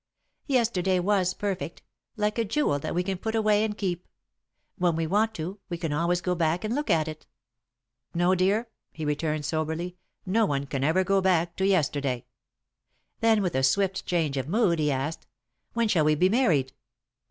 "Yesterday was perfect, like a jewel that we can put away and keep. When we want to, we can always go back and look at it." "No, dear," he returned, soberly; "no one can ever go back to yesterday." Then, with a swift change of mood, he asked: "When shall we be married?"